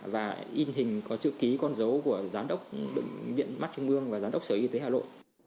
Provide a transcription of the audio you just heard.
và in hình có chữ ký con dấu của giám đốc bệnh viện mắt trung ương và giám đốc sở y tế hà nội